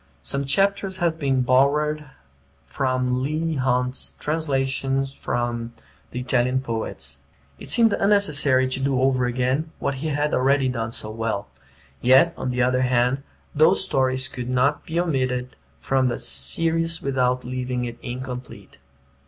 Some chapters have been borrowed from Leigh Hunt's Translations from the Italian Poets. It seemed unnecessary to do over again what he had already done so well; yet, on the other hand, those stories could not be omitted from the series without leaving it incomplete.